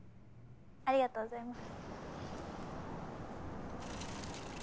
ありがとうございます。